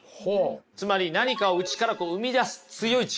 つまり何かを内からこう生み出す強い力ですよ。